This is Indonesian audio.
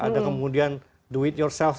ada kemudian do it yourself